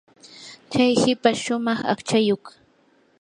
chay hipash shumaq aqchayuq.